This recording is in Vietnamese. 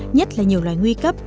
nhất là nhiều loài nguy cấp